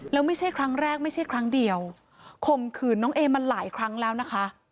แล้วไม่ใช่ครั้งแรกไม่ใช่ครั้งเดียวข่มขืนน้องเอมาหลายครั้งแล้วนะคะ